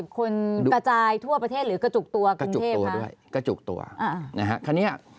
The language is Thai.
๗๘๐คนกระจายทั่วประเทศหรือกระจุกตัวกรุงเทพครับ